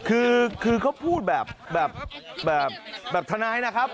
คือเขาพูดแบบทนายนะครับ